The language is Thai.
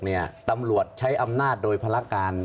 วันที่๒๖ตำรวจใช้อำนาจโดยภาระการ